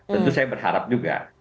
tentu saya berharap juga